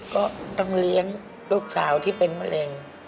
ก็ต้องเลี้ยงลูกสาวที่เป็นมะเร็ง